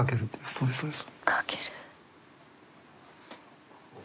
そうですそうです。